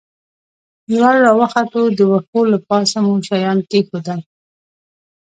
لوړ را وختو، د وښو له پاسه مو شیان کېښوول.